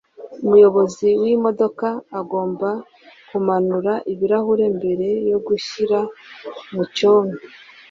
Umuyobozi w imodoka agomba kumanura ibirahuri mbere yo kugishyira mu cyome